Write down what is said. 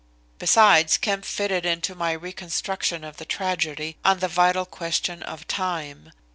Besides Kemp fitted into my reconstruction of the tragedy on the vital question of time.